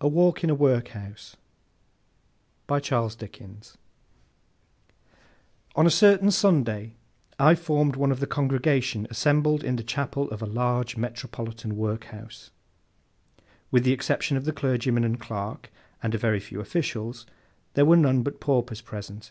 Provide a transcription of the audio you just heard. A WALK IN A WORKHOUSE ON a certain Sunday, I formed one of the congregation assembled in the chapel of a large metropolitan Workhouse. With the exception of the clergyman and clerk, and a very few officials, there were none but paupers present.